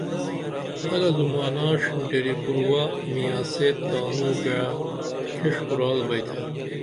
تگہ زمانہ ڜینٹیری کوروہ میاں سید تانو گعہ کھیش کُرال بئیتھا